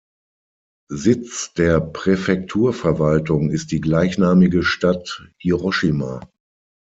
Sitz der Präfekturverwaltung ist die gleichnamige Stadt Hiroshima.